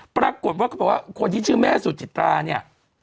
ปรากฏว่าเขาบอกว่าคนที่ชื่อแม่สุจิตราเนี่ย